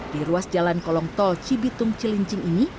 di ruas jalan kolong tol cibitung cilincing ini